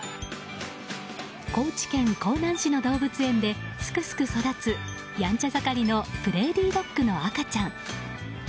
高知県香南市の動物園ですくすく育つやんちゃ盛りのプレーリードッグの赤ちゃん。